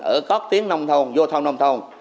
ở các tuyến nông thôn vô thông nông thôn